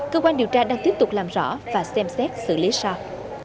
cơ quan điều tra đang tiếp tục làm rõ và xem xét xử lý sau